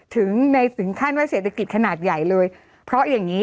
ถึงในถึงขั้นว่าเศรษฐกิจขนาดใหญ่เลยเพราะอย่างงี้